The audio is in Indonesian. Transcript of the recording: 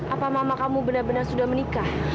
apa mama kamu bener bener sudah menikah